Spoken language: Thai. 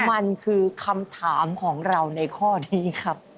มันคือคำถามของเราในข้อนี้ครับ